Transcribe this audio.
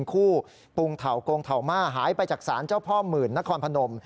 คู่ปรุงเถ่าโกงเถ่าม่าหายไปจากศาลเจ้าพ่อหมื่นนครพนม